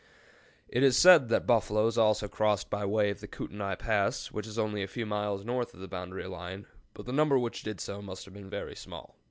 It is said that buffaloes also crossed by way of the Kootenai Pass, which is only a few miles north of the boundary line, but the number which did so must have been very small.